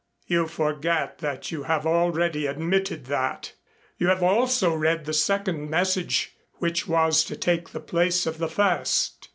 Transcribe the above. "You forget that you have already admitted that. You have also read the second message which was to take the place of the first."